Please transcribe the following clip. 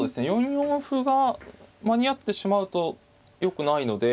４四歩が間に合ってしまうとよくないので２三から攻め合うか。